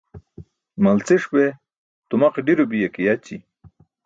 Malciṣ be tumaqee ḍi̇ro biya ke yaći̇.